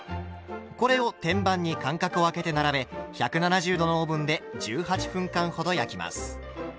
これを天板に間隔をあけて並べ１７０℃のオーブンで１８分間ほど焼きます。